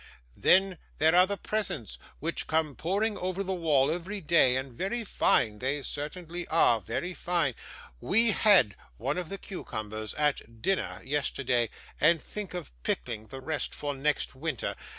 Then, there are the presents which come pouring over the wall every day, and very fine they certainly are, very fine; we had one of the cucumbers at dinner yesterday, and think of pickling the rest for next winter.